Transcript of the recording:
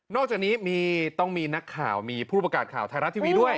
อกจากนี้ต้องมีนักข่าวมีผู้ประกาศข่าวไทยรัฐทีวีด้วย